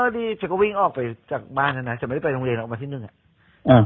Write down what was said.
นี่ฉันก็วิ่งออกไปจากบ้านแล้วนะฉันไม่ได้ไปโรงเรียนออกวันที่หนึ่งอ่ะ